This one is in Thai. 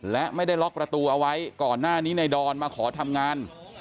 และไม่ได้ล็อกประตูเอาไว้ก่อนหน้านี้ในดอนมาขอทำงาน